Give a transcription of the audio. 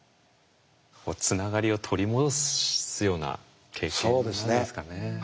つながりを取り戻すような経験なんですかね。